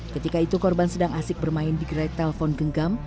ketika itu korban sedang asik bermain di gerai telpon genggam